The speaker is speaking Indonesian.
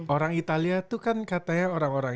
orang italia itu kan katanya orang orang